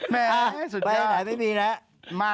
แม้ไม่มีนะ